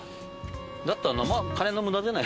だったら。